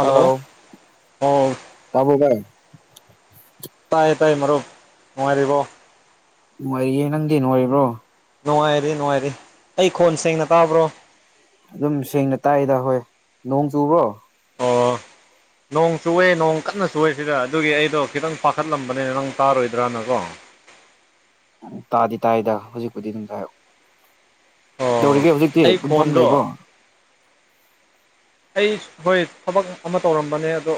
hello ꯑꯣ ꯇꯥꯕ꯭ꯔꯣ ꯚꯥꯢ ꯇꯥꯏ ꯇꯥꯏ ꯃꯔꯨꯞ ꯅꯨꯡꯉꯥꯏꯔꯤꯕꯣ ꯅꯨꯡꯉꯥꯏꯔꯤꯌꯦ ꯅꯪꯗꯤ ꯅꯨꯡꯉꯔꯤꯕ꯭ꯔꯣ ꯅꯨꯡꯉꯥꯏꯔꯤ ꯅꯨꯡꯉꯥꯏꯔꯤ ꯑꯩ ꯈꯣꯟ ꯁꯦꯡꯅ ꯇꯥꯕ꯭ꯔꯣ ꯑꯗꯨꯝ ꯁꯦꯡꯅ ꯇꯥꯏꯗ ꯍꯣꯏ ꯅꯣꯡ ꯆꯨꯕ꯭ꯔꯣ ꯑꯣ ꯅꯣꯡ ꯆꯨꯋꯦ ꯅꯣꯡ ꯀꯟꯅ ꯆꯨꯋꯦ ꯁꯤꯗ ꯑꯗꯨꯒꯤ ꯑꯩꯗꯣ ꯈꯤꯇꯪ ꯄꯥꯈꯠꯂꯝꯕꯅꯦ ꯅꯪ ꯇꯥꯔꯣꯏꯗ꯭ꯔꯥꯅꯀꯣ ꯎꯝ ꯇꯥꯗꯤ ꯇꯥꯏꯗ ꯍꯧꯖꯤꯛꯄꯨꯗꯤ ꯑꯗꯨꯝ ꯍꯥꯏꯔꯛꯑꯣ ꯑꯣ ꯗꯧꯔꯤꯒꯦ ꯍꯧꯖꯤꯛꯇꯤ ꯑꯩ ꯑꯗꯨꯝ ꯐꯝ ꯈꯣꯟꯗꯣ ꯂꯩꯕ꯭ꯔꯣ ꯑꯩ ꯍꯣꯏ ꯊꯕꯛ ꯑꯃ ꯇꯧꯔꯝꯕꯅꯦ ꯑꯗꯣ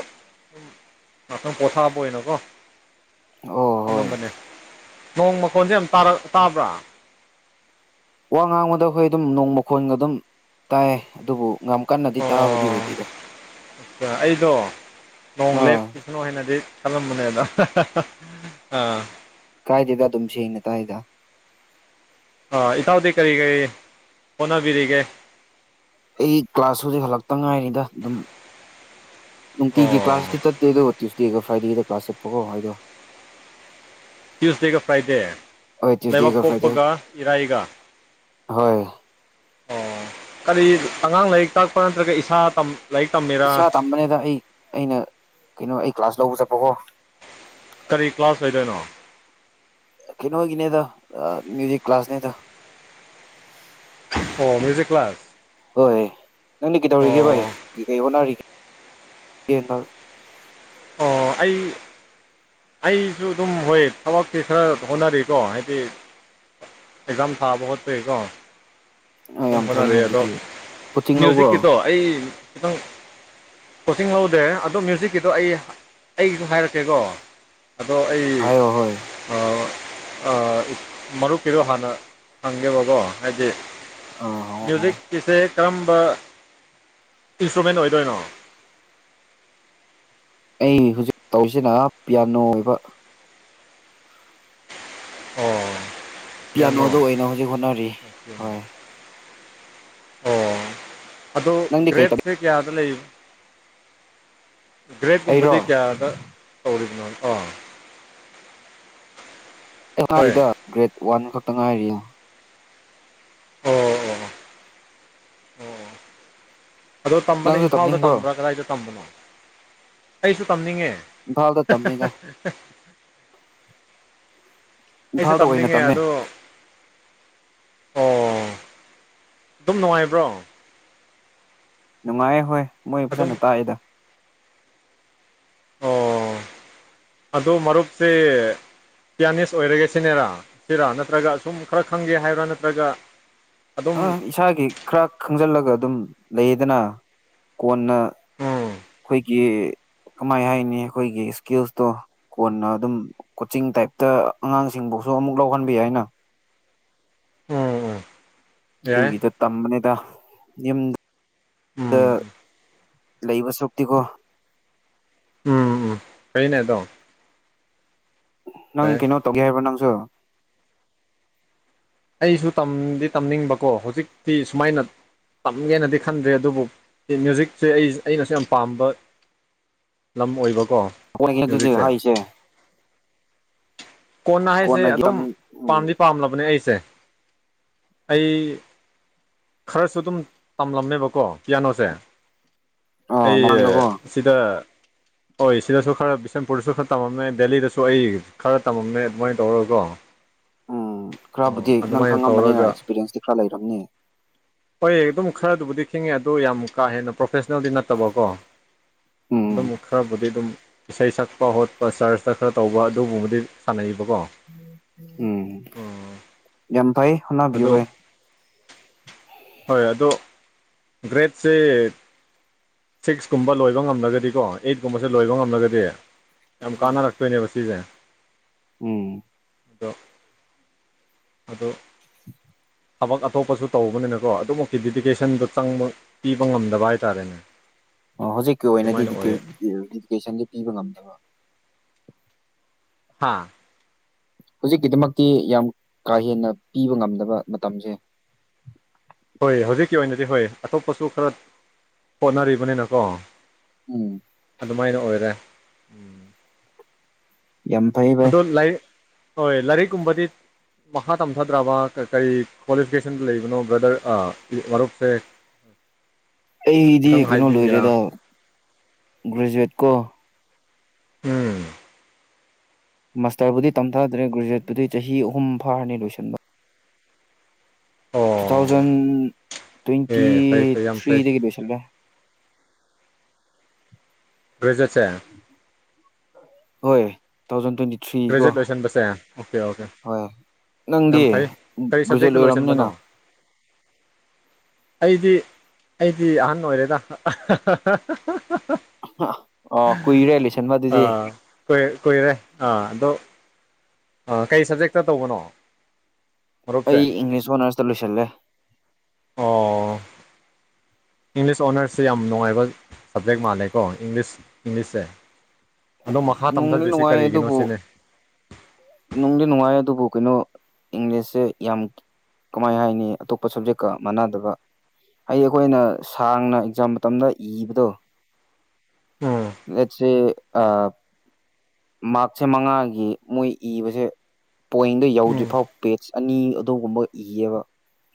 ꯉꯥꯛꯇꯪ ꯄꯣꯊꯥꯕ ꯑꯣꯢꯅꯀꯣ ꯑꯣ ꯍꯣꯏ ꯊꯃꯝꯕꯅꯦ ꯅꯣꯡ ꯃꯈꯣꯟꯁꯦ ꯌꯥꯝ ꯇꯥ ꯇꯥꯕ꯭ꯔꯥ ꯋꯥ ꯉꯥꯡꯕꯗꯣ ꯈꯣꯏ ꯗꯨꯝ ꯅꯣꯡ ꯃꯈꯣꯟ ꯑꯗꯨꯝ ꯇꯥꯏ ꯑꯗꯨꯕꯨ ꯉꯝ ꯑꯣ ꯑ ꯑꯩꯗꯣ ꯅꯣꯡ ꯑꯥ ꯂꯦꯞ ꯅꯣ ꯍꯥꯏꯅꯗꯤ ꯈꯟꯂꯝꯕꯅꯦ ꯑꯗꯣ ꯀꯥꯏꯗꯦꯗ ꯗꯨꯝ ꯁꯦꯡꯅ ꯇꯥꯢꯗ ꯑꯥ ꯏꯇꯥꯎꯗꯤ ꯀꯔꯤ ꯀꯔꯤ ꯍꯣꯠꯅꯕꯤꯔꯤꯒꯦ ꯑꯩ ꯀ꯭ꯂꯥꯁ ꯍꯨꯖꯤꯛ ꯍꯜꯂꯛꯇ ꯉꯥꯏꯔꯤꯗ ꯑꯗꯨꯝ ꯅꯨꯡꯇꯤꯒꯤ ꯑꯣ ꯀ꯭ꯂꯥꯁꯇꯤ ꯆꯠꯇꯦ ꯑꯗꯣ ꯇ꯭ꯌꯨꯁꯗꯦꯒ ꯐ꯭ꯔꯥꯏꯗꯦꯒ ꯀ꯭ꯂꯥꯁ ꯆꯠꯄꯀꯣ ꯑꯩꯗꯣ ꯇ꯭ꯌꯨꯁꯗꯦꯒ ꯐ꯭ꯔꯥꯏꯗꯦ ꯍꯣꯏ ꯇ꯭ꯌꯨꯁꯗꯦꯒ ꯐ꯭ꯔꯥꯏꯗꯦ ꯂꯩꯕꯥꯛꯄꯣꯛꯄꯒ ꯏꯔꯥꯏꯒ ꯍꯣꯏ ꯑꯣ ꯀꯔꯤ ꯑꯉꯥꯡ ꯂꯥꯏꯔꯤꯛ ꯇꯥꯛꯄ ꯅꯠꯇ꯭ꯔꯒ ꯏꯁꯥ ꯇꯝ ꯏꯁꯥ ꯇꯝꯕꯅꯦꯗ ꯑꯩ ꯑꯩꯅ ꯀꯩꯅꯣ ꯑꯩ ꯀ꯭ꯂꯥꯁ ꯂꯧꯕ ꯆꯠꯄꯀꯣ ꯀꯔꯤ ꯀ꯭ꯂꯥꯁ ꯑꯣꯢꯗꯣꯏꯅꯣ ꯀꯩꯅꯣꯒꯤꯅꯦꯗ ꯃ꯭ꯌꯨꯖꯤꯛ ꯀ꯭ꯂꯥꯁꯅꯦꯗ ꯑꯣ ꯃ꯭ꯌꯨꯖꯤꯛ ꯀ꯭ꯂꯥꯁ ꯍꯣꯏ ꯅꯪꯗꯤ ꯀꯩꯗꯧꯔꯤꯒꯦ ꯚꯥꯏ ꯑꯣ ꯀꯩ ꯀꯩ ꯍꯣꯠꯅꯔꯤꯒꯦ [unintelligible] ꯑꯣ ꯑꯩ ꯑꯩꯁꯨ ꯑꯗꯨꯝ ꯍꯣꯏ ꯊꯕꯛꯁꯦ ꯈꯔ ꯍꯣꯠꯅꯔꯤꯀꯣ ꯍꯥꯏꯗꯤ ꯑꯦꯛꯖꯥꯝ ꯊꯥꯕ ꯈꯣꯠꯄꯒꯤ ꯀꯣ ꯑꯗꯨꯝ ꯌꯥꯝ ꯐꯩꯅꯦ ꯍꯣꯠꯅꯔꯤ ꯑꯗꯣ ꯑꯗꯨꯗꯤ ꯀꯣꯆꯤꯡ ꯂꯧꯕ꯭ꯔꯣ ꯃ꯭ꯌꯨꯖꯤꯛꯀꯤꯗꯣ ꯑꯩ ꯈꯤꯇꯪ ꯀꯣꯆꯤꯡ ꯂꯧꯗꯦ ꯑꯗꯣ ꯃ꯭ꯌꯨꯖꯤꯛꯀꯤꯗꯣ ꯑꯩ ꯑꯩꯒꯤꯁꯨ ꯍꯥꯏꯔꯛꯀꯦꯀꯣ ꯑꯗꯣ ꯑꯩ ꯍꯥꯏꯌꯣ ꯍꯣꯏ ꯑꯥ ꯃꯔꯨꯞꯀꯤꯗꯣ ꯍꯥꯟꯅ ꯍꯪꯒꯦꯕꯀꯣ ꯍꯥꯏꯗꯤ ꯑꯥ ꯍꯪꯉꯣ ꯍꯪꯉꯣ ꯃ꯭ꯌꯨꯖꯤꯛꯀꯤꯁꯦ ꯀꯔꯝꯕ ꯏꯟꯁꯇ꯭ꯔꯨꯃꯦꯟ ꯑꯣꯏꯗꯣꯏꯅꯣ ꯑꯩ ꯍꯧꯖꯤꯛ ꯇꯧꯔꯤꯁꯤꯅ ꯄꯤꯌꯥꯅꯣ ꯑꯣꯏꯕ ꯑꯣ ꯄꯤꯌꯥꯢꯅꯣ ꯄꯤꯌꯥꯅꯣꯗ ꯑꯣꯏꯅ ꯍꯧꯖꯤꯛ ꯍꯣꯠꯅꯔꯤ ꯍꯣꯏ ꯑꯣ ꯑꯗꯣ ꯅꯪꯗꯤ ꯀꯩ ꯇꯝ ꯒ꯭ꯔꯦꯞꯁꯦ ꯀꯌꯥꯗ ꯂꯩ ꯑꯩꯔꯣ ꯒ꯭ꯔꯦꯠꯒꯨꯝꯕꯗꯤ ꯀꯌꯥꯗ [unintelligible] ꯑꯦ [unintelligible] ꯒ꯭ꯔꯦꯗ ꯋꯥꯟ ꯈꯛꯇ ꯉꯥꯏꯔꯤꯉꯣ ꯑꯣ ꯑꯣ ꯑꯣ ꯑꯗꯣ ꯇꯝꯕꯅ ꯅꯪꯁꯨ ꯏꯝꯐꯥꯜꯗ ꯇꯝꯅꯤꯡꯕ꯭ꯔꯣ ꯇꯝꯕ꯭ꯔꯥ ꯀꯗꯥꯏꯗ ꯇꯝꯕꯅꯣ ꯑꯩꯁꯨ ꯇꯝꯅꯤꯡꯉꯦ ꯏꯝꯐꯥꯜꯗ ꯇꯝꯃꯤꯗ [unintelligible] ꯑꯩꯁꯨ ꯏꯝꯐꯥꯜꯗ ꯑꯣꯏꯅ ꯇꯝꯅꯤꯡꯉꯦ ꯇꯝꯃꯦ ꯑꯗꯣ ꯑꯣ ꯑꯗꯨꯝ ꯅꯨꯡꯉꯥꯏꯕ꯭ꯔꯣ ꯅꯨꯡꯉꯥꯏꯌꯦ ꯍꯣꯏ ꯃꯣꯏ ꯑꯗꯨꯝ ꯐꯖꯅ ꯇꯥꯛꯌꯦ ꯑꯣ ꯑꯗꯨ ꯃꯔꯨꯞꯇꯤ ꯄꯤꯌꯥꯅꯤꯁ ꯑꯣꯏꯔꯒꯦ ꯁꯤꯅꯦꯔꯥ ꯁꯤꯔꯥ ꯅꯠꯇ꯭ꯔꯒ ꯁꯨꯝ ꯈꯔ ꯈꯪꯒꯦ ꯍꯥꯏꯕ꯭ꯔꯥ ꯅꯠꯇ꯭ꯔꯒ ꯑꯗꯨꯝ ꯑꯥ ꯏꯁꯥꯒꯤ ꯈꯔ ꯈꯪꯖꯤꯜꯂꯒ ꯑꯗꯨꯝ ꯂꯩꯌꯦꯗꯅ ꯀꯣꯟꯅ ꯎꯝ ꯑꯩꯈꯣꯏꯒꯤ ꯀꯃꯥꯏ ꯍꯥꯏꯅꯤ ꯑꯩꯈꯣꯏꯒꯤ ꯏꯁꯀꯤꯜꯁꯇꯣ ꯀꯣꯟꯅ ꯑꯗꯨꯝ ꯀꯣꯆꯤꯡ ꯇꯥꯏꯞꯇ ꯑꯉꯥꯡꯁꯤꯡꯕꯨꯁꯨ ꯑꯃꯨꯛ ꯂꯧꯍꯟꯕ ꯌꯥꯏꯅ ꯎꯝ ꯎꯝ ꯌꯥꯏ [unintelligible] ꯇꯝꯕꯅꯤꯗ ꯌꯨꯝꯗ ꯎꯝ ꯎꯝ ꯂꯩꯕ ꯁꯥꯔꯨꯛꯄꯨꯗꯤꯒꯣ ꯎꯝ ꯎꯝ ꯐꯩꯅꯦ ꯑꯗꯣ ꯅꯪ ꯐꯩ ꯀꯩꯅꯣ ꯇꯧꯒꯦ ꯍꯥꯏꯕ꯭ꯔꯣ ꯅꯪꯁꯨ ꯑꯩꯁꯨ ꯇꯝꯗꯤ ꯇꯝꯅꯤꯡꯕꯀꯣ ꯍꯧꯖꯤꯛꯇꯤ ꯁꯨꯃꯥꯏꯅ ꯇꯝꯒꯦꯅꯗꯤ ꯈꯟꯗ꯭ꯔꯦ ꯑꯗꯨꯕꯨ ꯃ꯭ꯌꯨꯖꯤꯛꯁꯦ ꯑꯩ ꯑꯩꯅꯁꯨ ꯌꯥꯝ ꯄꯥꯝꯕ ꯂꯝ ꯑꯣꯏꯕꯀꯣ ꯃ꯭ꯌꯨꯖꯤꯛꯁꯦ [unintelligible] ꯀꯣꯟꯅ ꯍꯥꯏꯁꯦ ꯀꯣꯟꯅꯒꯤ ꯇꯝ ꯑꯗꯨꯝ ꯎꯝ ꯄꯥꯝꯗꯤ ꯄꯥꯝꯂꯕꯅꯦ ꯑꯩꯁꯦ ꯑꯩ ꯈꯔꯁꯨ ꯑꯗꯨꯝ ꯇꯝꯂꯝꯃꯦꯕꯀꯣ ꯄꯤꯌꯥꯅꯣꯁꯦ ꯑꯣ ꯑꯩ ꯃꯃꯥꯡꯗꯀꯣ ꯁꯤꯗ ꯍꯣꯏ ꯁꯤꯗꯁꯨ ꯈꯔ ꯕꯤꯁꯦꯝꯄꯨꯔꯗꯁꯨ ꯈꯔ ꯇꯝꯃꯝꯃꯦ ꯗꯦꯜꯂꯤꯗꯁꯨ ꯑꯩ ꯈꯔ ꯇꯝꯃꯝꯃꯦ ꯑꯗꯨꯃꯥꯏꯅ ꯇꯧꯔꯒꯀꯣ ꯎꯝ ꯑꯣ ꯈꯔꯕꯨꯗꯤ ꯅꯪ ꯑꯗꯨꯃꯥꯏꯅ ꯈꯪꯉꯝꯕꯅꯤꯅ ꯇꯧꯔꯒ ꯑꯦꯛꯁꯄꯤꯔꯤꯌꯦꯟꯁꯇꯤ ꯈꯔ ꯂꯩꯔꯝꯅꯤ ꯍꯣꯏ ꯑꯗꯨꯝ ꯈꯔꯗꯨꯕꯨꯗꯤ ꯈꯪꯉꯦ ꯑꯗꯣ ꯌꯥꯝ ꯀꯥ ꯍꯦꯟꯅ ꯄ꯭ꯔꯣꯐꯦꯁꯅꯦꯜꯗꯤ ꯅꯠꯇꯕꯀꯣ ꯎꯝ ꯑꯗꯨꯝ ꯈꯔꯕꯨꯗꯤ ꯑꯗꯨꯝ ꯏꯁꯩ ꯁꯛꯄ ꯈꯣꯠꯄ ꯆꯔꯁꯇ ꯈꯔ ꯇꯧꯕ ꯑꯗꯨꯒꯨꯝꯕꯗꯤ ꯁꯥꯟꯅꯩꯕꯀꯣ ꯎꯝ ꯎꯝ ꯌꯥꯝ ꯐꯩ ꯍꯣꯠꯅꯕꯤꯌꯨ ꯑꯗꯣ ꯚꯥꯏ ꯍꯣꯏ ꯑꯗꯣ ꯒ꯭ꯔꯦꯠꯁꯦ ꯁꯤꯛꯁ ꯀꯨꯝꯕ ꯂꯣꯏꯕ ꯉꯝꯂꯒꯗꯤꯀꯣ ꯑꯦꯠ ꯀꯨꯝꯕꯁꯦ ꯂꯣꯏꯕ ꯉꯝꯂꯒꯗꯤ ꯌꯥꯝ ꯎꯝ ꯀꯥꯟꯅꯔꯛꯑꯦ ꯁꯣꯏꯅꯦꯕ ꯉꯁꯤꯁꯦ ꯎꯝ ꯑꯗꯣ ꯑꯗꯣ [unintelligible] ꯊꯕꯛ ꯑꯇꯣꯞꯄꯁꯨ ꯇꯧꯕꯅꯤꯅꯀꯣ ꯑꯗꯨ ꯑꯣꯛꯇꯤꯕꯤꯗꯤꯀꯦꯁꯟꯗꯣ ꯆꯪꯕ ꯄꯤꯕ ꯉꯝꯗꯕ ꯍꯥꯢꯇꯥꯔꯦꯅꯦ ꯑꯣ ꯍꯧꯖꯤꯛꯀꯤ ꯑꯣꯏꯅꯗꯤ ꯗꯤꯀꯦ ꯏꯗꯨꯀꯦꯁꯟꯖꯦ ꯄꯤꯕ ꯉꯝꯗꯦꯕ ꯍꯥ ꯍꯧꯖꯤꯛꯀꯤꯗꯃꯛꯇꯤ ꯌꯥꯝ ꯀꯥ ꯍꯦꯟꯅ ꯄꯤꯕ ꯉꯝꯗꯕ ꯃꯇꯝꯖꯦ ꯍꯣꯏ ꯍꯧꯖꯤꯛꯀꯤ ꯑꯣꯏꯅꯗꯤ ꯍꯣꯏ ꯑꯇꯣꯞꯄꯁꯨ ꯈꯔ ꯍꯣꯠꯅꯔꯤꯕꯅꯤꯅꯀꯣ ꯎꯝ ꯑꯗꯨꯃꯥꯢꯅ ꯑꯣꯏꯔꯦ ꯌꯥꯝ ꯐꯩ ꯚꯥꯏ ꯑꯗꯣ ꯂꯥꯏꯔꯤꯛ ꯍꯣꯏ ꯂꯥꯏꯔꯤꯛꯀꯨꯝꯕꯗꯤ ꯃꯈꯥ ꯇꯝꯊꯗ꯭ꯔꯕ ꯀꯔꯤ ꯀ꯭ꯋꯥꯂꯤꯐꯤꯀꯦꯁꯟꯗ ꯂꯩꯕꯅꯣ ꯕ꯭ꯔꯗꯔ ꯑ ꯃꯔꯨꯞꯁꯦ ꯑꯩꯗꯤ ꯈꯤꯇꯪ ꯀꯩꯅꯣ ꯂꯣꯢꯔꯦꯗ ꯍꯥꯏꯕꯤꯒꯦꯔꯥ ꯒ꯭ꯔꯦꯖꯨꯋꯦꯠ ꯀꯣ ꯎꯝ ꯃꯥꯁꯇꯔꯕꯨꯗꯤ ꯇꯝꯊꯥꯗ꯭ꯔꯦ ꯒ꯭ꯔꯦꯖꯨꯋꯦꯠꯄꯨꯗꯤ ꯆꯍꯤ ꯑꯍꯨꯝ ꯐꯥꯔꯅꯤ ꯂꯣꯢꯁꯟꯕ ꯇꯨ ꯑꯣ ꯊꯥꯎꯖꯟ ꯇ꯭ꯋꯦꯟꯇꯤ ꯑꯦ ꯐꯩ ꯐꯩ ꯌꯥꯝ ꯐꯩ ꯊ꯭ꯔꯤꯗꯒꯤ ꯂꯣꯏꯁꯤꯜꯂꯦ ꯒ꯭ꯔꯦꯖꯨꯋꯦꯠꯁꯦ ꯍꯣꯏ ꯊꯥꯎꯖꯟ ꯇ꯭ꯋꯦꯟꯇꯤ ꯊ꯭ꯔꯤ ꯀꯣ ꯒ꯭ꯔꯦꯖꯨꯋꯦꯠ ꯂꯣꯏꯁꯟꯕꯁꯦ ꯑꯣꯀꯦ ꯑꯣꯀꯦ ꯍꯣꯏ ꯅꯪꯗꯤ ꯌꯥꯝ ꯐꯩ ꯀꯔꯤ ꯒ꯭ꯔꯦꯖꯨꯋ‌ꯦꯠ ꯁꯕꯖꯦꯛꯇ ꯂꯣꯏꯔꯝꯅꯤꯅ ꯂꯣꯏꯁꯤꯟꯕꯅꯣ ꯑꯩꯗꯤ ꯑꯩꯗꯤ ꯑꯍꯟ ꯑꯣꯏꯔꯦꯗ ꯑꯣ ꯀꯨꯢꯔꯦ ꯂꯣꯢꯁꯟꯕ ꯑꯗꯨꯗꯤ ꯀꯨ ꯀꯨꯏꯔꯦ ꯑꯥ ꯑꯗꯣ ꯑ ꯀꯩ ꯁꯞꯖꯦꯛꯇ ꯇꯧꯕꯅꯣ ꯑꯩ ꯃꯔꯨꯞꯁꯦ ꯏꯪꯂꯤꯁ ꯑꯣꯅꯔꯁꯇ ꯂꯣꯏꯁꯤꯜꯂꯦ ꯑꯣ ꯏꯪꯂꯤꯁ ꯑꯣꯅꯔꯁꯁꯦ ꯌꯥꯝ ꯅꯨꯡꯉꯥꯢꯕ ꯁꯞꯖꯦꯛ ꯃꯥꯜꯂꯦꯀꯣ ꯏꯪꯂꯤꯁ ꯏꯪꯂꯤꯁꯁꯦ ꯑꯗꯣ ꯃꯈꯥ ꯅꯨꯡꯗꯤ ꯇꯝꯊꯗ꯭ꯔꯤꯁꯤ ꯅꯨꯡꯉꯥꯏꯑꯦ ꯀꯔꯤꯒꯤꯅꯣ ꯑꯗꯨꯕꯨ ꯁꯤꯅꯦ ꯅꯨꯡꯗꯤ ꯅꯨꯡꯉꯥꯏꯑꯦ ꯑꯗꯨꯕꯨ ꯀꯩꯅꯣ ꯏꯪꯂꯤꯁꯁꯦ ꯌꯥꯝ ꯀꯃꯥꯏ ꯍꯥꯏꯅꯤ ꯑꯇꯣꯞꯄ ꯁꯞꯖꯦꯛꯀ ꯃꯥꯟꯅꯗꯕ ꯑꯩ ꯑꯩꯈꯣꯏꯅ ꯁꯥꯡꯅ ꯑꯦꯛꯖꯥꯝ ꯃꯇꯝꯗ ꯏꯕꯗꯣ ꯎꯝ ꯂꯦꯠꯁ ꯁꯦ ꯑ ꯃꯥꯔꯛꯁꯦ ꯃꯉꯥꯒꯤ ꯃꯣꯢ ꯩꯨ ꯏꯕꯖꯦ ꯄꯣꯏꯟꯗꯣ ꯎꯝ ꯌꯧꯗ꯭ꯔꯤꯐꯥꯎ ꯄꯦꯠꯁꯇ ꯑꯅꯤ ꯑꯗꯨꯒꯨꯝꯕ ꯏꯑꯦꯕ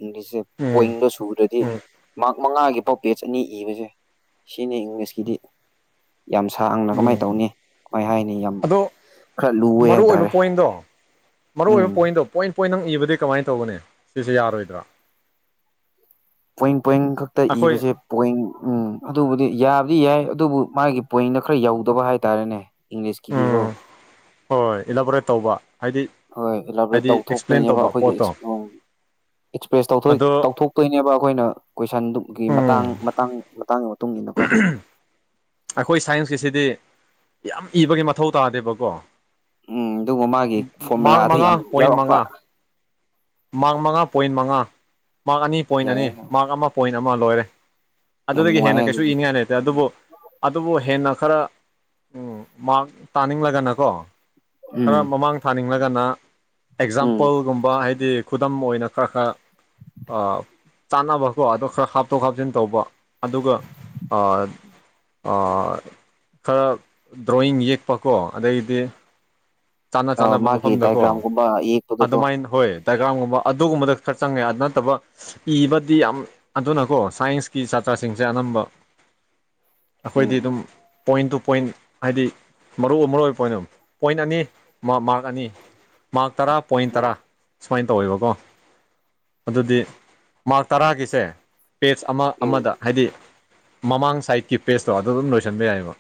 ꯏꯪꯂꯤꯁꯁꯦ ꯎꯝ ꯄꯣꯏꯟꯗꯣ ꯁꯨꯗ꯭ꯔꯗꯤ ꯎꯝ ꯃꯥꯔꯛ ꯃꯉꯥꯒꯤꯐꯥꯎ ꯄꯦꯠꯁ ꯑꯅꯤ ꯏꯕꯁꯦ ꯁꯤꯅꯤ ꯏꯪꯂꯤꯁꯀꯤꯗꯤ ꯌꯥꯝ ꯁꯥꯡꯅ ꯎꯝ ꯀꯃꯥꯏꯅ ꯇꯧꯅꯤ ꯀꯃꯥꯏ ꯍꯥꯏꯅꯤ ꯌꯥꯝ ꯑꯗꯣ ꯈꯔ ꯂꯨꯋꯦ ꯃꯔꯨ ꯍꯥꯏꯕ ꯑꯣꯏꯕ ꯇꯥꯔꯦ ꯄꯣꯏꯟꯗꯣ ꯃꯔꯨ ꯑꯣꯏꯕ ꯎꯝ ꯄꯣꯏꯟꯗꯣ ꯄꯣꯏꯟ ꯄꯣꯏꯟꯗꯪ ꯏꯕꯗꯤ ꯀꯃꯥꯏꯅ ꯇꯧꯒꯅꯤ ꯁꯤꯁꯦ ꯌꯥꯔꯣꯢꯗ꯭ꯔ‌ꯣ ꯄꯣꯏꯞ ꯄꯣꯏꯟ ꯈꯛꯇ ꯑꯩꯈꯣꯏ ꯏꯕꯁꯦ ꯄꯣꯏꯟ ꯎꯝ ꯑꯗꯨꯕꯨꯗꯤ ꯌꯥꯕꯗꯤ ꯌꯥꯏ ꯑꯗꯨꯕꯨ ꯃꯥꯒꯤ ꯄꯣꯏꯟꯗꯣ ꯈꯔ ꯌꯧꯗꯕ ꯍꯥꯏꯇꯥꯔꯦꯅꯦ ꯏꯪꯂꯤꯁꯀꯤꯗꯤꯀꯣ ꯎꯝ ꯍꯣꯏ ꯑꯦꯂꯥꯕꯣꯔꯦꯠ ꯇꯧꯕ ꯍꯥꯏꯗꯤ ꯍꯣꯏ ꯑꯦꯂꯥꯕꯣꯔꯦꯠ ꯍꯥꯏꯗꯤ ꯑꯦꯛꯁꯄ꯭ꯂꯦꯟ ꯇꯧꯊꯣꯛꯄꯩꯅꯦꯕ ꯇꯧꯕ ꯑꯩꯈꯣꯏꯒꯤ ꯄꯣꯠꯇꯣ ꯑꯦꯛꯄꯝ ꯑꯦꯛꯁꯄ꯭ꯔꯦꯁ ꯇꯧꯊꯣꯢ ꯑꯗꯣ ꯇꯧꯊꯣꯛ ꯇꯣꯏꯅꯦꯕ ꯑꯩꯈꯣꯏꯅ ꯀꯣꯏꯁꯟꯗꯨꯒꯤ ꯃꯇꯥꯡ ꯎꯝ ꯃꯇꯥꯡ ꯃꯇꯥꯡ ꯃꯇꯨꯡ ꯏꯟꯅ ꯀꯣ ꯑꯩꯈꯣꯏ ꯁꯥꯏꯟꯁꯀꯤꯁꯤꯗꯤ ꯌꯥꯝ ꯏꯕꯒꯤ ꯃꯊꯧ ꯇꯥꯗꯦꯕꯀꯣ ꯎꯝ ꯑꯗꯨꯒ ꯃꯥꯒꯤ ꯃꯥꯔꯛ ꯐꯣꯔꯃꯨꯂꯥꯗ ꯃꯥꯉꯥ ꯌꯥꯝ ꯄꯣꯏꯟ ꯌꯥꯎꯔꯛꯄ ꯃꯥꯉꯥ ꯃꯥꯔꯛ ꯃꯉꯥ ꯄꯣꯏꯟ ꯃꯉꯥ ꯃꯥꯔꯛ ꯑꯅꯤ ꯄꯣꯏꯟ ꯑꯅꯤ ꯌꯥꯏꯌꯦ ꯃꯥꯔꯛ ꯑꯃ ꯄꯣꯏꯟ ꯑꯃ ꯂꯣꯏꯔꯦ ꯌꯥꯝ ꯑꯗꯨꯗꯒꯤ ꯍꯦꯟꯅ ꯅꯨꯡꯉꯥꯏꯌꯦ ꯀꯩꯁꯨ ꯑꯗꯨꯗꯤ ꯏꯅꯤꯡꯉꯥꯏ ꯂꯩꯇꯦ ꯑꯗꯨꯕꯨ ꯑꯗꯨꯕꯨ ꯍꯦꯟꯅ ꯈꯔ ꯃꯥꯔꯛ ꯇꯥꯟꯅꯤꯡꯂꯒꯅꯀꯣ ꯈꯔ ꯎꯝ ꯃꯃꯥꯡ ꯊꯥꯅꯤꯡꯂꯒꯅ ꯎꯝ ꯑꯦꯛꯖꯥꯝꯄꯜꯒꯨꯝꯕ ꯍꯥꯏꯗꯤ ꯗꯤ ꯈꯨꯗꯝ ꯑꯣꯏꯅ ꯈꯔ ꯈꯔ ꯑ ꯆꯥꯟꯅꯕꯀꯣ ꯑꯗꯣ ꯈꯔ ꯍꯥꯞꯇꯣꯛ ꯍꯥꯞꯆꯤꯟ ꯇꯧꯕ ꯑꯗꯨꯒ ꯑ ꯑ ꯈꯔ ꯗ꯭ꯔꯣꯋꯤꯡ ꯌꯦꯛꯄꯀꯣ ꯑꯗꯩꯗꯤ ꯆꯥꯟꯅ ꯑ ꯆꯥꯅꯕ ꯃꯥꯒꯤ ꯃꯐꯝꯗꯀꯣ ꯗꯥꯏꯒ꯭ꯔꯥꯝꯒꯨꯝꯕ ꯌꯦꯛꯄꯗꯣꯀꯣ ꯑꯗꯨꯃꯥꯏꯅ ꯍꯣꯏ ꯗꯥꯏꯒ꯭ꯔꯥꯝꯒꯨꯝꯕ ꯑꯗꯨꯒꯨꯝꯕꯗ ꯈꯔ ꯆꯪꯉꯦ ꯑꯗꯨ ꯅꯠꯇꯕ ꯏꯕꯗꯤ ꯌꯥꯝ ꯑꯗꯨꯅꯀꯣ ꯁꯥꯏꯟꯁꯀꯤ ꯁꯥꯇ꯭ꯔꯁꯤꯡꯁꯦ ꯑꯅꯝꯕ ꯑꯩꯈꯣꯏꯗꯤ ꯎꯝ ꯑꯗꯨꯝ ꯄꯣꯏꯟ ꯇꯨ ꯄꯣꯏꯟ ꯍꯥꯏꯗꯤ ꯃꯔꯨ ꯑꯣꯏ ꯃꯔꯨ ꯑꯣꯏꯕ ꯄꯣꯏꯟ ꯄꯣꯏꯟ ꯑꯅꯤ ꯃꯥꯔꯛ ꯑꯅꯤ ꯃꯥꯔꯛ ꯇꯔꯥ ꯄꯣꯏꯟ ꯎꯝ ꯇꯔꯥ ꯁꯨꯃꯥꯏꯅ ꯇꯧꯋꯦꯕꯀꯣ ꯑꯗꯨꯗꯤ ꯃꯥꯔꯛ ꯇꯔꯥꯒꯤꯁꯦ ꯄꯦꯖ ꯑꯃ ꯎꯝ ꯑꯃꯗ ꯍꯥꯏꯗꯤ ꯃꯃꯥꯡ ꯁꯥꯏꯠꯀꯤ ꯄꯦꯖꯇꯣ ꯑꯗꯨ ꯑꯗꯨꯝ ꯂꯣꯏꯁꯤꯟꯕ ꯌꯥꯏꯌꯦꯕ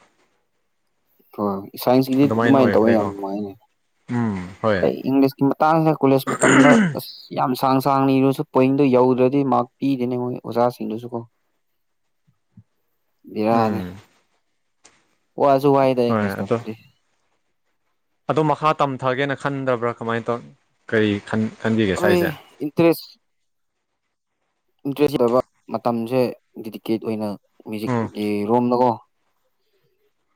ꯍꯣꯏ ꯁꯥꯏꯟꯁꯀꯤꯗꯤ ꯑꯗꯨꯃꯥꯏꯅ ꯇꯧꯋꯦ ꯌꯥꯝ ꯑꯣꯏꯈ꯭ꯔꯦꯀꯣ ꯅꯨꯡꯉꯥꯏꯅꯦ ꯎꯝ ꯍꯣꯏ ꯑꯩꯈꯣꯏ ꯏꯪꯂꯤꯁꯀꯤ ꯃꯇꯥꯡꯗꯥ ꯀꯣꯂꯖ ꯃꯇꯝꯗ ꯑꯁ ꯌꯥꯝ ꯁꯥꯡ ꯁꯥꯡꯅ ꯏꯔꯁꯨ ꯄꯣꯏꯟꯗꯣ ꯌꯧꯗ꯭ꯔꯗꯤ ꯃꯥꯔꯛ ꯄꯤꯗꯦꯅꯦ ꯃꯣꯏ ꯑꯣꯖꯥꯁꯤꯡꯗꯨꯁꯨ ꯀꯣ ꯌꯥꯔꯦ ꯎꯝ ꯋꯥꯁꯨ ꯋꯥꯏꯗ ꯍꯣꯏ ꯑꯗꯣ ꯏꯪꯂꯤꯁꯇꯨꯃꯥꯗꯤ ꯑꯗꯣ ꯃꯈꯥ ꯇꯝꯊꯒꯦꯅ ꯈꯟꯗꯕ꯭ꯔꯥ ꯀꯃꯥꯏꯅ ꯇꯧꯏ ꯀꯔꯤ ꯈꯟꯒꯦ ꯍꯣꯏ ꯏꯟꯇꯔꯦꯁ ꯏꯟꯇꯔꯦꯁ ꯑꯣꯏꯕ ꯃꯇꯝꯁꯦ ꯗꯤꯗꯤꯀꯦꯠ ꯑꯣꯏꯅ ꯎꯝ ꯃꯤꯌꯨꯖꯤꯛꯀꯤ ꯔꯣꯝꯗꯥꯀꯣ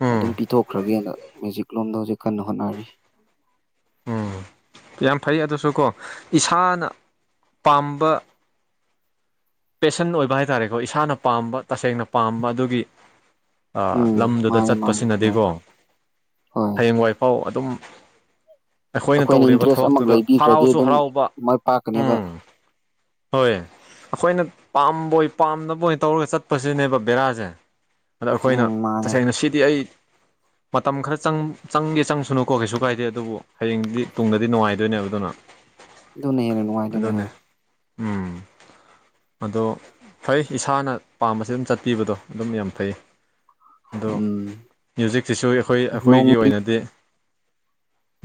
ꯎꯝ ꯑꯗꯨꯝ ꯄꯤꯊꯣꯛꯈ꯭ꯔꯒꯦꯅ ꯃꯤꯌꯨꯖꯤꯛ ꯂꯣꯝꯗ ꯍꯧꯖꯤꯛ ꯀꯟꯅ ꯍꯣꯠꯅꯔꯤ ꯎꯝ ꯌꯥꯝ ꯐꯩ ꯑꯗꯨꯁꯨ ꯀꯣ ꯏꯁꯥꯅ ꯄꯥꯝꯕ ꯄꯦꯁꯟ ꯑꯣꯏꯕ ꯍꯥꯏꯇꯥꯔꯦꯀꯣ ꯏꯁꯥꯅ ꯄꯥꯝꯕ ꯇꯁꯦꯡꯅ ꯄꯥꯝꯕ ꯑꯗꯨꯒꯤ ꯎꯝ ꯂꯝꯗꯨꯗ ꯃꯥꯅꯦ ꯃꯥꯅꯦ ꯍꯣꯏ ꯆꯠꯄꯁꯤꯅꯗꯤꯀꯣ ꯍꯣꯏ ꯍꯌꯦꯡ ꯋꯥꯏꯐꯥꯎ ꯑꯗꯨꯝ ꯑꯩꯈꯣꯏꯅ ꯇꯧꯔꯤꯕ ꯏꯟꯇꯔꯦꯁ ꯑꯃ ꯊꯕꯛꯇꯨꯗ ꯂꯩꯕꯤꯈ꯭ꯔꯗꯤ ꯍꯔꯥꯎꯁꯨ ꯑꯗꯨꯝ ꯍꯔꯥꯎꯕ ꯃꯥꯏ ꯄꯥꯛꯀꯅꯦꯕ ꯎꯝ ꯍꯣꯏ ꯑꯩꯈꯣꯏꯅ ꯄꯥꯝꯕꯣꯏ ꯄꯥꯝꯗꯕꯣꯏ ꯇꯧꯔꯒ ꯆꯠꯄꯁꯤꯅꯦꯕ ꯕꯦꯔꯥꯁꯦ ꯑꯗꯣ ꯑꯩꯈꯣꯏꯅ ꯎꯝ ꯃꯥꯅꯦ ꯇꯁꯦꯡꯅ ꯁꯤꯗꯤ ꯑꯩ ꯃꯇꯝ ꯈꯔ ꯆꯪ ꯆꯪꯒꯦ ꯆꯪꯁꯅꯨꯀꯣ ꯀꯩꯁꯨ ꯀꯥꯏꯗꯦ ꯑꯗꯨꯕꯨ ꯍꯌꯦꯡꯗꯤ ꯇꯨꯡꯗꯗꯤ ꯅꯨꯡꯉꯥꯏꯗꯣꯏꯅꯦꯕ ꯑꯗꯨꯅ ꯑꯗꯨꯅꯦ ꯍꯦꯟꯅ ꯅꯨꯡꯉꯥꯏꯗꯣꯏꯅꯦ ꯑꯗꯨꯅꯦ ꯍꯣꯏ ꯎꯝ ꯑꯗꯣ ꯐꯩ ꯏꯁꯥꯅ ꯄꯥꯝꯕꯁꯤ ꯑꯗꯨꯝ ꯆꯠꯄꯤꯕꯗꯣ ꯑꯗꯨꯝ ꯌꯥꯝ ꯐꯩ ꯑꯗꯣ ꯎꯝ ꯃ꯭ꯌꯨꯖꯤꯛꯁꯤꯁꯨ ꯑꯩꯈꯣꯏ ꯅꯣꯡ ꯑꯩꯈꯣꯏꯒꯤ ꯑꯣꯏꯅꯗꯤ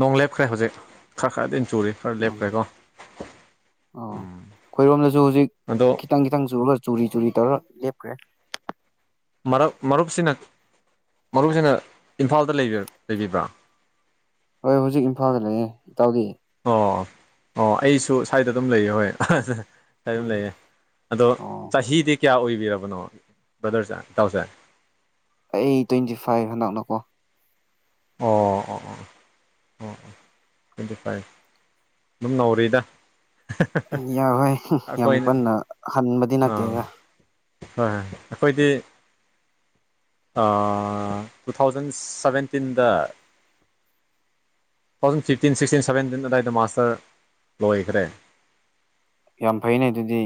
ꯅꯣꯡ ꯂꯦꯞꯈ꯭ꯔꯦ ꯍꯧꯖꯤꯛ ꯈꯔ ꯈꯔꯗꯤ ꯑꯗꯨꯝ ꯆꯨꯔꯤ ꯈꯔ ꯑꯣ ꯂꯦꯞꯈ꯭ꯔꯦꯀꯣ ꯑꯣ ꯑꯩꯈꯣꯏꯔꯣꯝꯗꯁꯨ ꯍꯧꯖꯤꯛ ꯑꯗꯣ ꯈꯤꯇꯪ ꯈꯤꯇꯪ ꯆꯨꯔꯒ ꯆꯨꯔꯤ ꯆꯨꯔꯤ ꯇꯧꯔꯒꯥ ꯂꯦꯞꯈ꯭ꯔꯦ ꯃꯔꯛ ꯃꯔꯨꯞꯁꯤꯅ ꯃꯔꯨꯞꯁꯤꯅ ꯏꯝꯐꯥꯜꯗ ꯂꯩꯕꯤ ꯂꯩꯕꯤꯕ꯭ꯔꯥ ꯍꯣꯏ ꯍꯧꯖꯤꯛ ꯏꯝꯐꯥꯜꯗ ꯂꯩꯌꯦ ꯏꯇꯥꯎꯗꯤ ꯑꯣ ꯑꯣ ꯑꯩꯁꯨ ꯁ꯭ꯋꯥꯏꯗ ꯑꯗꯨꯝ ꯂꯩꯌꯦ ꯍꯣꯏ ꯁꯏꯗ ꯑꯗꯨꯝ ꯎꯝ ꯂꯩꯌꯦ ꯑꯗꯣ ꯑꯣ ꯆꯍꯤꯗꯤ ꯀꯌꯥ ꯑꯣꯏꯕꯤꯔꯕꯅꯣ ꯕ꯭ꯔꯗꯔꯁꯦ ꯏꯇꯥꯎꯁꯦ ꯑꯩ ꯇ꯭ꯋꯦꯟꯇꯤ ꯐꯥꯏꯚ ꯍꯟꯗꯛꯅꯀꯣ ꯑꯣ ꯑꯣ ꯑꯣ ꯑꯣ ꯑꯣ ꯇ꯭ꯋꯦꯟꯇꯤ ꯐꯥꯏꯚ ꯑꯗꯨꯝ ꯅꯧꯔꯤꯗ ꯌꯥꯏ ꯍꯣꯏ ꯌꯥꯝ ꯑꯩꯈꯣꯏꯅ ꯀꯟꯅ ꯍꯟꯕꯗꯤ ꯑꯥ ꯅꯠꯇꯦꯗ ꯍꯣꯏ ꯍꯣꯏ ꯑꯩꯈꯣꯏꯗꯤ ꯑꯥ ꯇꯨ ꯊꯥꯎꯖꯟ ꯁꯕꯦꯟꯇꯤꯟꯗ two thousand fifteen sixteen seventeen ꯑꯗꯨꯋꯥꯏꯗ ꯃꯥꯁꯇꯥꯔ ꯂꯣꯏꯈ꯭ꯔꯦ ꯌꯥꯝ ꯐꯩꯅꯦ ꯑꯗꯨꯗꯤ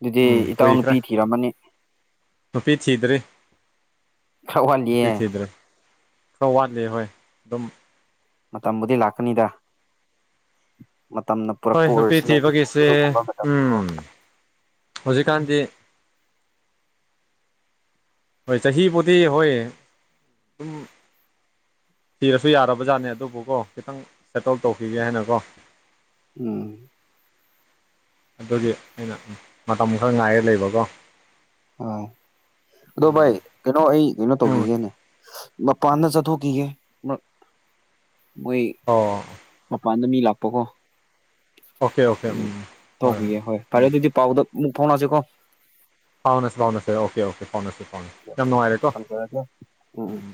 ꯑꯗꯨꯗꯤ ꯎꯝ ꯏꯇꯥꯎ ꯀꯨꯏꯈ꯭ꯔꯦ ꯅꯨꯨꯄꯤ ꯊꯤꯔꯝꯃꯅꯤ ꯅꯨꯄꯤ ꯊꯤꯗ꯭ꯔꯤ ꯈꯔ ꯅꯨꯄꯤ ꯋꯥꯠꯂꯤꯌꯦ ꯊꯤꯗ꯭ꯔꯤ ꯈꯔ ꯋꯥꯠꯂꯤ ꯍꯣꯏ ꯑꯗꯨꯝ ꯃꯇꯝꯕꯨꯗꯤ ꯂꯥꯛꯀꯅꯤꯗ ꯃꯇꯝꯅ ꯍꯣꯏ ꯄꯨꯔꯛꯄ ꯅꯨꯄꯤ ꯑꯣꯏꯔꯁꯨꯅꯣ ꯑꯗꯨꯒ ꯊꯤꯕꯒꯤꯁꯦ ꯑꯗꯨꯒꯨꯝꯕ ꯃꯇꯝꯗꯣ ꯎꯝ ꯎꯝ ꯍꯧꯖꯤꯛꯀꯥꯟꯗꯤ ꯍꯣꯏ ꯆꯍꯤꯕꯨꯗꯤ ꯍꯣꯏ ꯁꯝ ꯊꯤꯔꯁꯨ ꯌꯥꯔꯕ ꯖꯥꯠꯅꯦ ꯑꯗꯨꯕꯨꯀꯣ ꯈꯤꯇꯪ ꯁꯦꯇꯜ ꯇꯧꯈꯤꯒꯦ ꯍꯥꯏꯅꯀꯣ ꯎꯝ ꯑꯗꯨꯒꯤ ꯑꯩꯅ ꯃꯇꯝ ꯈꯔ ꯉꯥꯏꯔ ꯂꯩꯕꯀꯣ ꯑ ꯑꯗꯣ ꯚꯥꯏ ꯎꯝ ꯀꯩꯅꯣ ꯑꯩ ꯀꯩꯅꯣ ꯎꯝ ꯇꯧꯈꯤꯒꯦꯅꯦ ꯃꯄꯥꯟꯗ ꯆꯠꯊꯣꯛꯈꯤꯒꯦ ꯃꯣꯏ ꯑꯣ ꯃꯄꯥꯟꯗ ꯃꯤ ꯂꯥꯛꯄꯀꯣ ꯑꯣꯀꯦ ꯑꯣꯀꯦ ꯎꯝ ꯎꯝ ꯇꯧꯈꯤꯒꯦ ꯍꯣꯏ ꯐꯔꯦ ꯎꯝ ꯑꯗꯨꯗꯤ ꯄꯥꯎꯗ ꯑꯃꯨꯛ ꯐꯥꯎꯅꯔꯁꯤꯀꯣ ꯐꯥꯎꯅꯁꯦ ꯐꯥꯎꯅꯁꯦ ꯑꯣꯀꯦ ꯑꯣꯀꯦ ꯐꯥꯎꯅꯁꯦ ꯐꯥꯎꯅꯁꯦ ꯌꯥꯝ ꯅꯨꯡꯉꯥꯏꯔꯦꯀꯣ ꯍꯣ [unintelligible] ꯎꯝ